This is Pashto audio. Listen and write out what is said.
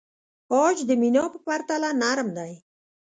عاج د مینا په پرتله نرم دی.